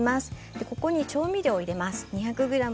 この中に調味料を入れます。